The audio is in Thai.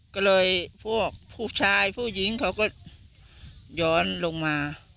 ก็เลยพวกผู้ชายผู้หญิงเขาก็ย้อนลงมา